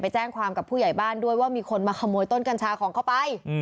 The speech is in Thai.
แจ้งความกับผู้ใหญ่บ้านด้วยว่ามีคนมาขโมยต้นกัญชาของเขาไป